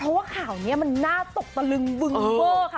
เพราะข่าวนี้หน้าตกตะลึงเบื้อค่ะ